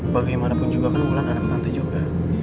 bagaimanapun juga kan wulan harap tante juga